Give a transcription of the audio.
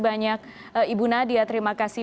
banyak ibu nadia terima kasih